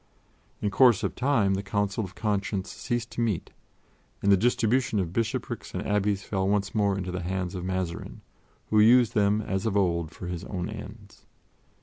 In course of time the Council of Conscience ceased to meet, and the distribution of bishoprics and abbeys fell once more into the hands of Mazarin, who used them, as of old, for his own ends.